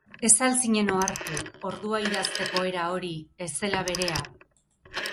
Ez al zinen ohartu ordua idazteko era hori ez zela berea?